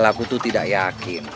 padahal aku tuh tidak yakin